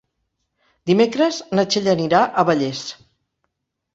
Dimecres na Txell anirà a Vallés.